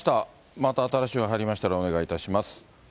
また新しいことが入りましたら、お願いします。